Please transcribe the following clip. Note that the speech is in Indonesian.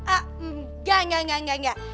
enggak enggak enggak